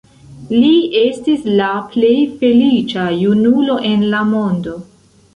Li estis la plej feliĉa junulo en la mondo.